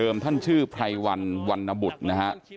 เดิมท่านชื่อพรายวันวันนะบุดนะครับ